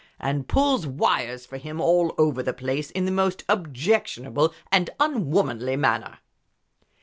and pulls wires for him all over the place in the most objectionable and unwomanly manner."